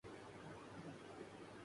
میں برتن دھونے والی ٹیم میں شامل تھا